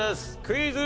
クイズ。